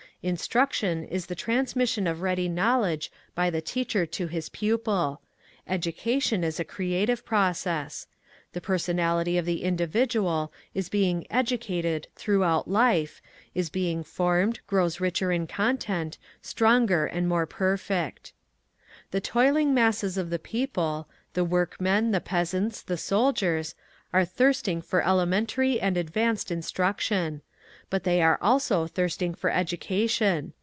Instruction is the transmission of ready knowledge by the teacher to his pupil. Education is a creative process. The personality of the individual is being "educated" throughout life, is being formed, grows richer in content, stronger and more perfect. The toiling masses of the people—the workmen, the peasants, the soldiers—are thirsting for elementary and advanced instruction. But they are also thirsting for education.